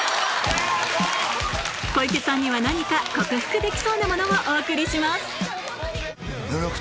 小池さんには何か克服できそうなものをお送りします